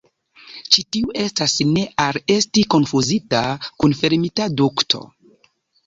Ĉi tiu estas ne al esti konfuzita kun fermita dukto.